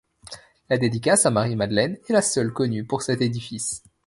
La dédicace à Marie Madeleine est la seule connue pour cet édifice.